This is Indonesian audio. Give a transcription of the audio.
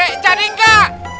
eh eh jadi nggak